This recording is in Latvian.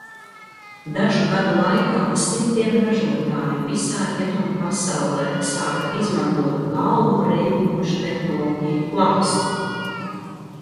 Dažu gadu laikā simtiem ražotāju visā rietumu pasaulē sāka izmantot galvu reibinošu tehnoloģiju klāstu.